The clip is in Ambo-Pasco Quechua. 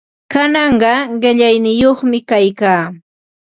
Kananqa qillayniyuqmi kaykaa.